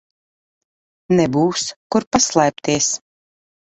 Nebūs kur paslēpties.